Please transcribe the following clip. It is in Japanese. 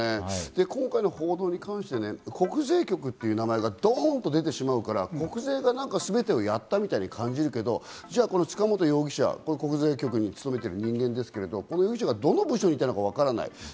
今回の報道に関して、国税局という名前がドンと出てしまうから、国税がすべてをやったみたいに感じるけど、塚本容疑者、国税局に勤めてる人間ですけど、どの部署にいたのかわからない。